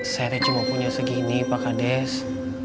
saya teh cuma punya segini pak kandes